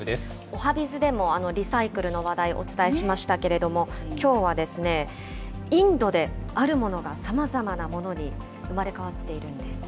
おはＢｉｚでもリサイクルの話題、お伝えしましたけれども、きょうはですね、インドであるものがさまざまなものに生まれ変わっているんです。